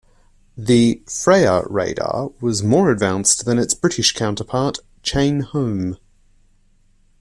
The "Freya" radar was more advanced than its British counterpart, Chain Home.